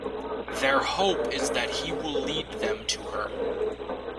Their hope is that he will lead them to her.